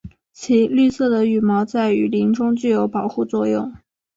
其绿色的羽毛在雨林中具有保护作用。